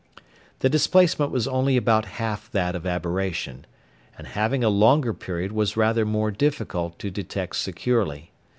The displacement was only about half that of aberration, and having a longer period was rather more difficult to detect securely.